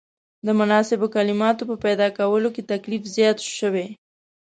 د مناسبو کلماتو په پیدا کولو کې تکلیف زیات شوی.